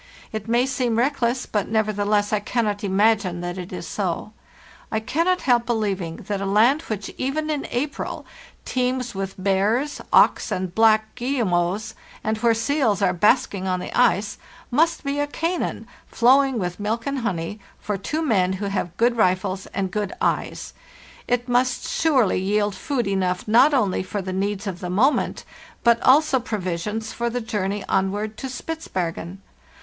It may seem reckless, but nevertheless I cannot imagine that it is so. I cannot help believing that a land which even in April teems with bears, auks, and black guille mots, and where seals are basking on the ice, must be a Canaan, 'flowing with milk and honey,' for two men who have good rifles and good eyes; it must surely yield food enough not only for the needs of the moment, but also provisions for the journey onward to Spitzbergen.